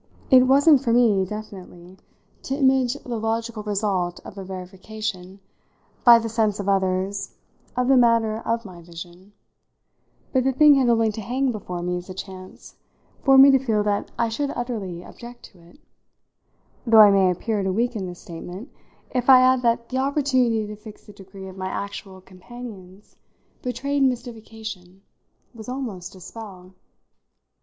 It wasn't for me definitely to image the logical result of a verification by the sense of others of the matter of my vision; but the thing had only to hang before me as a chance for me to feel that I should utterly object to it, though I may appear to weaken this statement if I add that the opportunity to fix the degree of my actual companion's betrayed mystification was almost a spell.